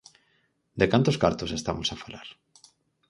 De cantos cartos estamos a falar?